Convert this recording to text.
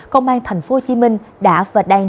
công an thành phố hồ chí minh đã và đang